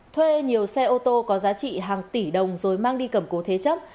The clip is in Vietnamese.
thuê nhiều xe ô tô có giá trị hàng tỷ đồng rồi mang đi cầm cố thế chấp